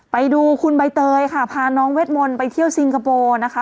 ไปดูคุณใบเตยค่ะพาน้องเวทมนต์ไปเที่ยวซิงคโปร์นะคะ